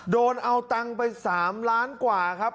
โดนเอาตังค์ไป๓ล้านกว่าครับ